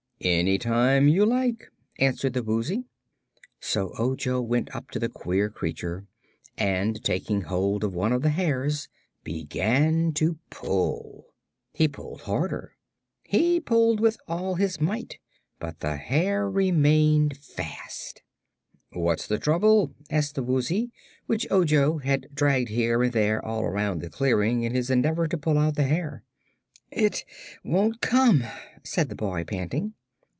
"Any time you like," answered the Woozy. So Ojo went up to the queer creature and taking hold of one of the hairs began to pull. He pulled harder. He pulled with all his might; but the hair remained fast. "What's the trouble?" asked the Woozy, which Ojo had dragged here and there all around the clearing in his endeavor to pull out the hair. "It won't come," said the boy, panting.